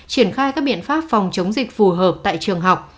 triển khai các biện pháp phòng chống dịch phù hợp tại trường học